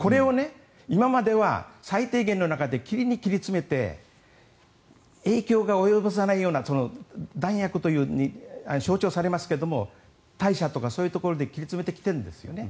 今までは最低限の中で切り詰めて影響が及ぼさないような弾薬というものに象徴されますが隊舎とかそういうところで切り詰めてきてるんです。